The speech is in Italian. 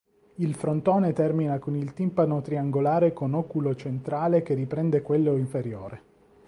Il frontone termina con il timpano triangolare con oculo centrale che riprende quello inferiore.